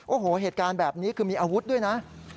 โอ้โหเหตุการณ์แบบนี้คือมีอาวุธด้วยนะ